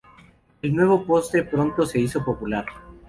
El nuevo postre pronto se hizo popular.